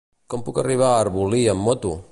Com puc arribar a Arbolí amb moto?